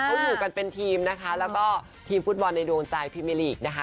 ก็อยู่กันเป็นทีมและก็ทีมฟุตบอลในวงจัยปิเมอร์ลีก